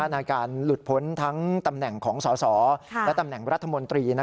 ในการหลุดพ้นทั้งตำแหน่งของสสและตำแหน่งรัฐมนตรี